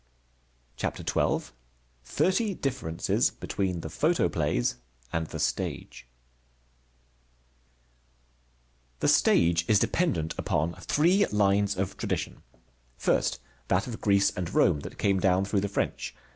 CHAPTER XII THIRTY DIFFERENCES BETWEEN THE PHOTOPLAYS AND THE STAGE The stage is dependent upon three lines of tradition: first, that of Greece and Rome that came down through the French.